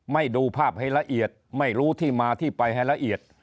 ดูภาพให้ละเอียดไม่รู้ที่มาที่ไปให้ละเอียด